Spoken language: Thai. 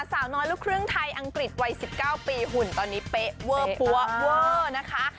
สาวน้อยลูกครึ่งไทยอังกฤษวัย๑๙ปีหุ่นตอนนี้เป๊ะเวอร์ปั๊วเวอร์นะคะ